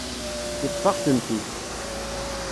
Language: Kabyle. Yeṭṭef-aɣ-tent-id.